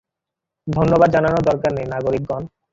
ধন্যবাদ জানানোর দরকার নেই, নাগরিকগন।